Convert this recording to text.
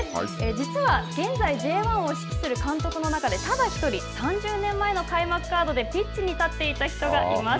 実は、現在Ｊ１を指揮する監督の中で、ただ１人、３０年前の開幕カードでピッチに立っていた人がいます。